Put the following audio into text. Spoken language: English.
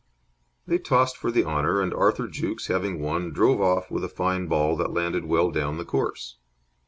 They tossed for the honour, and Arthur Jukes, having won, drove off with a fine ball that landed well down the course.